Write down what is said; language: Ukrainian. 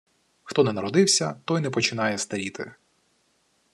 Хто не народився, той не починає старіти